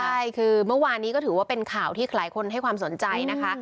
ใช่คือเมื่อวานนี้ก็ถือว่าเป็นข่าวที่หลายคนให้ความสนใจนะคะ